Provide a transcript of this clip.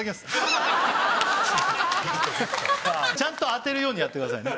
ちゃんと当てるようにやってくださいね。